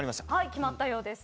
決まったようです。